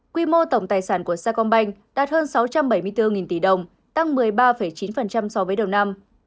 quy mô tổng tài sản của sa công banh đạt hơn sáu trăm bảy mươi bốn tỷ đồng tăng một mươi ba chín so với đầu năm